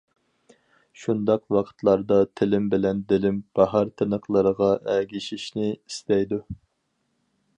شۇنداق ۋاقىتلاردا تىلىم بىلەن دىلىم باھار تىنىقلىرىغا ئەگىشىشنى ئىستەيدۇ.